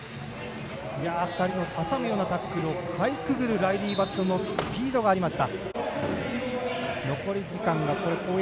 ２人の挟むようなタックルをかいくぐるようなライリー・バットのスピードがありました。